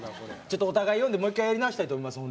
ちょっとお互い呼んでもう１回やり直したいと思います